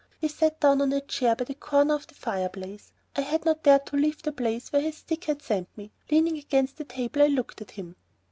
He sat down on a chair by the corner of the fireplace. I had not dared to leave the place where his stick had sent me. Leaning against the table, I looked at him.